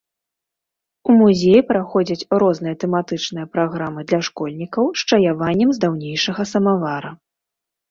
У музеі праходзяць розныя тэматычныя праграмы для школьнікаў з чаяваннем з даўнейшага самавара.